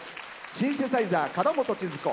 シンセサイザー、角本ちづ子。